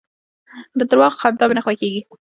د درواغو خندا مي نه خوښېږي .